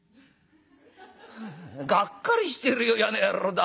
「がっかりしてるよやな野郎だ。